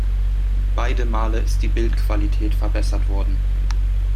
Beide Male ist die Bildqualität verbessert worden.